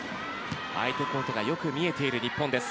相手コートが良く見えている日本です。